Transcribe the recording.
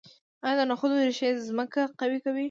آیا د نخودو ریښې ځمکه قوي کوي؟